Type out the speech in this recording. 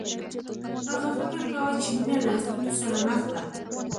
هغه فکر کاوه چې مینه له ستونزو سره مخ ده